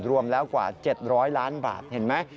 รวมแล้วกว่า๗๐๐ล้านบาทเห็นไหม